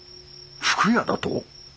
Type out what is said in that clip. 福屋だと！？